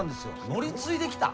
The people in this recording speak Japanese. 乗り継いできた？